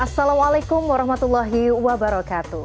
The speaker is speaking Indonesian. assalamualaikum warahmatullahi wabarakatuh